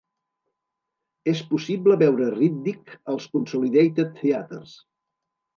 És possible veure Riddick als Consolidated Theatres